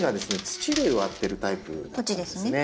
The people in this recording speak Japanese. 土で植わってるタイプなんですね。